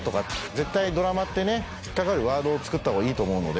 絶対ドラマってね引っ掛かるワードを作ったほうがいいと思うので。